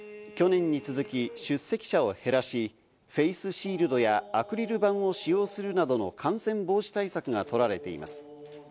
去年に続き出席者を減らし、フェースシールドやアクリル板を使用するなどの感染防止対策がとられています。